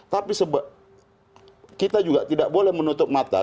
tapi kita juga tidak boleh menutup mata